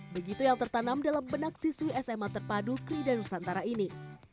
begitu yang tertanam dalam benak siswi sma terpadu krida nusantara ini